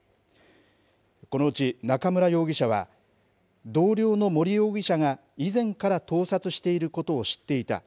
このうち中村容疑者は、同僚の森容疑者が以前から盗撮していることを知っていた。